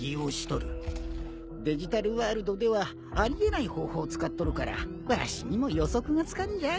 デジタルワールドではあり得ない方法を使っとるからわしにも予測がつかんじゃい。